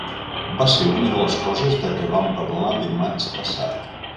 Va ser una de les coses de què vam parlar dimarts passat.